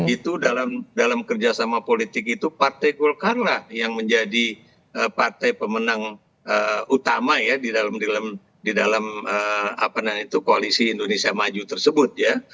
itu dalam kerjasama politik itu partai golkar lah yang menjadi partai pemenang utama ya di dalam koalisi indonesia maju tersebut ya